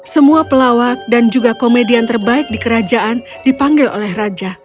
semua pelawak dan juga komedian terbaik di kerajaan dipanggil oleh raja